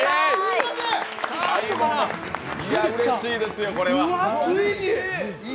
うれしいですよ、これは。